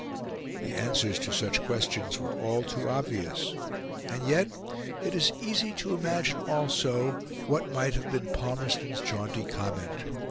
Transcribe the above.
The answers to such questions were all too obvious; and yet it is easy to imagine, also, what might have been Palmerston's jaunty comment.